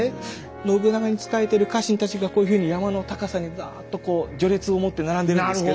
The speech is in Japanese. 信長に仕えている家臣たちがこういうふうに山の高さにざぁっとこう序列をもって並んでるんですけど。